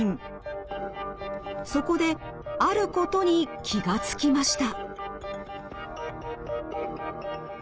そこであることに気が付きました。